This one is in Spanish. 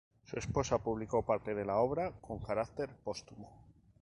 Su esposa publicó parte de la obra con carácter póstumo.